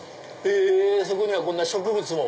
そこにはこんな植物も。